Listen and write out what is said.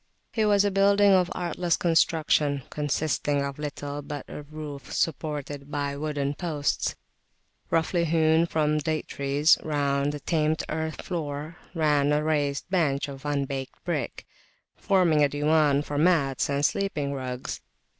It was a building of artless construction, consisting of little but a roof supported by wooden posts, roughly hewn from date trees: round the tamped earthen floor ran a raised bench of unbaked brick, forming a diwan for mats and sleeping rugs.